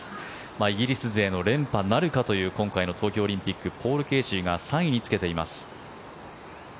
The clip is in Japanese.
イギリス勢の連覇なるかという今回の東京オリンピックポール・ケーシーが３位につけています。